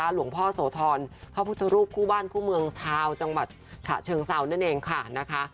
หลวงพ่อโสธรพระพุทธรูปคู่บ้านคู่เมืองชาวจังหวัดฉะเชิงเซานั่นเองค่ะนะคะ